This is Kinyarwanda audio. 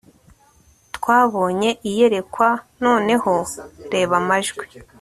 Twabonye iyerekwa noneho reba amajwi